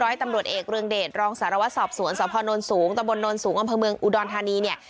ร้อยตำรวจเอกเรื่องเดชรองสารวสอบสวนสภนนท์สูงตะบนนท์สูงอัมพมืองอุดรธานีเนี่ย